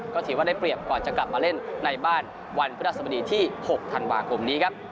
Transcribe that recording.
ก็ถือว่าได้เปรียบก่อนจะกลับมาเล่นในบ้านวันพฤหัสบดีที่๖ธันวาคมนี้ครับ